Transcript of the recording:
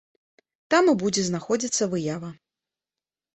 Там і будзе знаходзіцца выява.